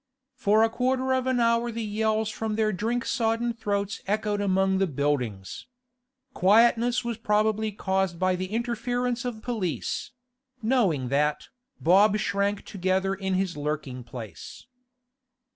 For a quarter of an hour the yells from their drink sodden throats echoed among the buildings. Quietness was probably caused by the interference of police; knowing that, Bob shrank together in his lurking place.